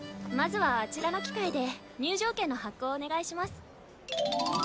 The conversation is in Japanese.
まずはあちらの機械で入場券の発行をお願いします。